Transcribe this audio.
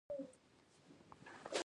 ایا زه باید په مزار کې اوسم؟